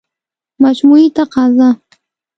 مجموعي تقاضا